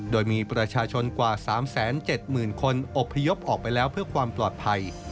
โดยมีประชาชนกว่า๓๗๐๐คนอบพยพออกไปแล้วเพื่อความปลอดภัย